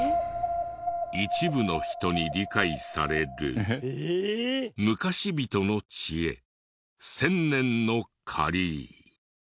「一部の人に理解される昔人の知恵」「１０００年のカリー」